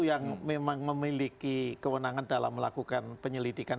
yang memang memiliki kewenangan dalam melakukan penyelidikan